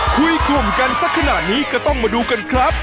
ข่มกันสักขนาดนี้ก็ต้องมาดูกันครับ